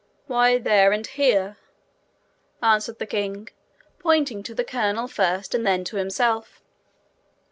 'Why, there and here,' answered the king, pointing to the colonel first, and then to himself.